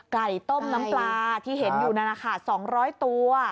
ไก่ต้มน้ำปลาที่เห็นอยู่นั่นค่ะสองร้อยตัว